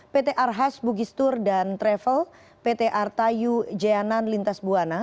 pt arhas bugistur dan travel pt artayu janan lintas buwana